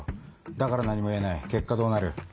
だから何も言えない結果どうなる？